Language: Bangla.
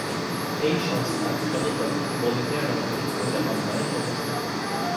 এই সংস্থার সদর দপ্তর বলিভিয়ার রাজধানী কোচাবাম্বায় অবস্থিত।